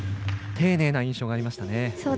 丁寧な印象がありましたね。